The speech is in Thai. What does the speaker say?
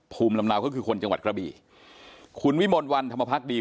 ภูมิลำเนาก็คือคนจังหวัดกระบีคุณวิมลวันธรรมพักดี